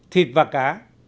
thịt và cá